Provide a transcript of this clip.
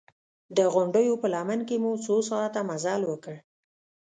د غونډیو په لمن کې مو څو ساعته مزل وکړ.